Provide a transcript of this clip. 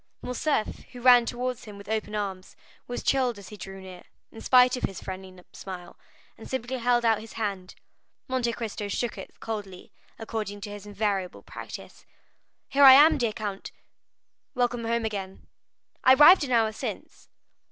Morcerf, who ran towards him with open arms, was chilled as he drew near, in spite of the friendly smile, and simply held out his hand. Monte Cristo shook it coldly, according to his invariable practice. "Here I am, dear count." "Welcome home again." "I arrived an hour since."